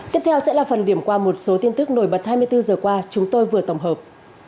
tiếp theo sẽ là phần điểm qua một số tin tức nổi bật hai mươi bốn giờ qua chúng tôi vừa tổng hợp